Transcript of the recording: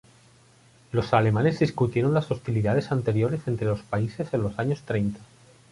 Los alemanes discutieron las hostilidades anteriores entre los países en los años treinta.